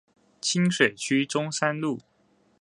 清水區中山路